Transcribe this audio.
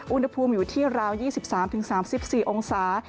อุณหภูมิอยู่ที่ราวน์ยี่สิบสามถึงสามสิบสี่องศา